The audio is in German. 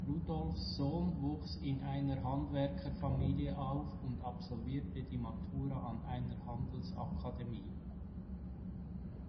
Rudolf Sohm wuchs in einer Handwerkerfamilie auf und absolvierte die Matura an einer Handelsakademie.